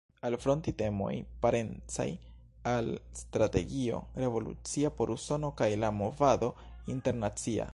Alfronti temoj parencaj al strategio revolucia por Usono kaj la movado internacia.